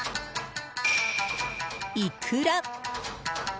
イクラ。